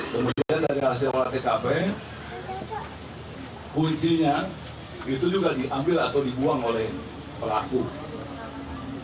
kemudian dari hasil ruangan tkp